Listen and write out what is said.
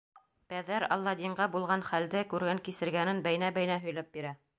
Бәҙәр Аладдинға булған хәлде, күргән-кисергәнен бәйнә-бәйнә һөйләп бирә.